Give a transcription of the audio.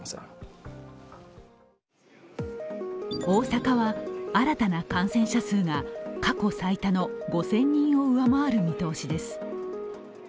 大阪は、新たな感染者数が過去最多の５０００人を上回る見通しです。